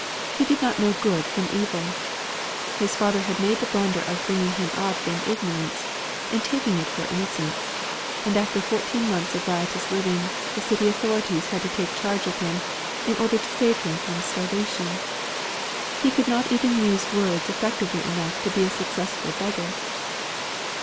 He did not know good from evil. His father had made the blunder of bringing him up in ignorance and taking it for innocence; and after fourteen months of riotous living, the city authorities had to take charge of him, in order to save him from starvation. He could not even use words effectively enough to be a successful beggar."